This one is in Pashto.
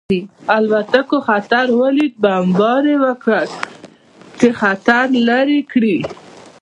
الوتکو خطر ولید او بمبار یې وکړ چې خطر لرې کړي